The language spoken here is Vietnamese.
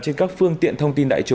trên các phương tiện thông tin đại dịch